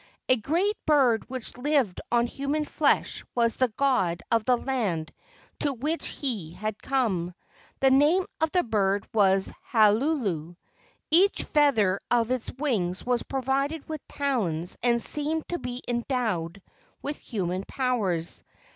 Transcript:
A great bird which lived on human flesh was the god of the land to which he had come. The name of the bird was Halulu. Each feather of its wings was provided with talons and seemed to be endowed with human powers.